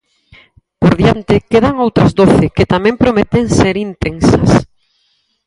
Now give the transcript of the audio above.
Por diante quedan outras doce que tamén prometen ser intensas.